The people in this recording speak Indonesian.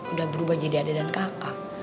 udah berubah jadi adik dan kakak